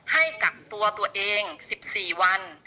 ให้กักตัวตัวเอง๑๔วัน